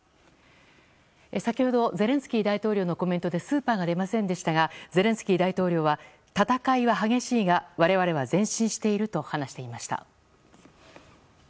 先ほどゼレンスキー大統領のコメントでスーパーが出ませんでしたがゼレンスキー大統領は戦いは激しいが我々は前進していると話していました。